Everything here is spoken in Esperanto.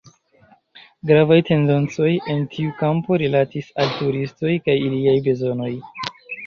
Gravaj tendencoj en tiu kampo rilatis al turistoj kaj iliaj bezonoj.